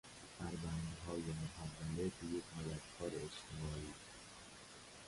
پروندههای محوله به یک مدد کار اجتماعی